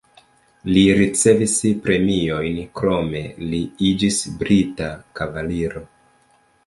Li ricevis premiojn, krome li iĝis brita kavaliro.